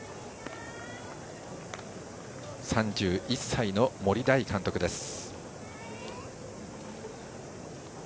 ３１歳の森大監督です。